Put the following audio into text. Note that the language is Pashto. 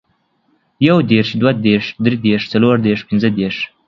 يو دېرش، دوه دېرش، دري دېرش ، څلور دېرش، پنځه دېرش،